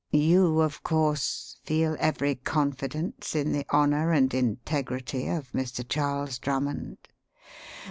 You, of course, feel every confidence in the honour and integrity of Mr. Charles Drummond?"